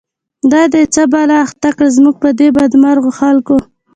دا دی څه بلا اخته کړه، زمونږ په دی بد مرغوخلکو